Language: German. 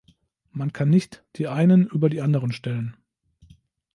Man kann nicht die einen über die anderen stellen.